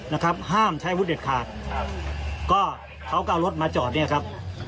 นะครับห้ามใช้วุฒิเด็ดขาดครับก็เขาก็เอารถมาจอดเนี่ยครับ